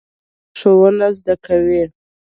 لمسی د ژوند ښوونه زده کوي.